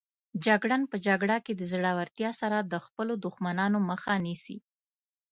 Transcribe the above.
جګړن په جګړه کې د زړورتیا سره د خپلو دښمنانو مخه نیسي.